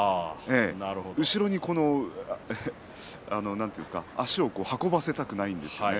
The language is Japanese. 後ろに足を運ばせたくないんですね。